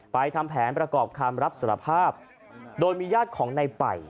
ทำแผนประกอบคำรับสารภาพโดยมีญาติของในป่าย